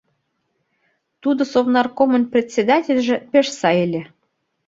Тудо совнаркомын председательже пеш сай ыле.